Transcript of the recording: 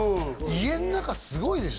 家の中すごいでしょ？